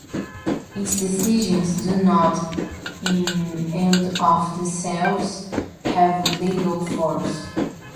Its decisions do not in and of themselves have legal force.